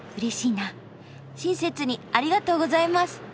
親切にありがとうございます。